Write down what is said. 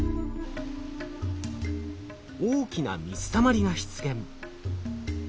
大きな水たまりが出現。